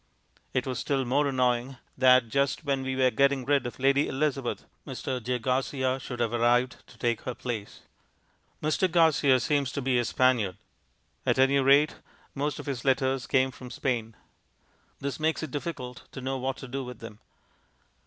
It was still more annoying, that, just when we were getting rid of Lady Elizabeth, Mr. J. Garcia should have arrived to take her place. Mr. Garcia seems to be a Spaniard. At any rate, most of his letters came from Spain. This makes it difficult to know what to do with them.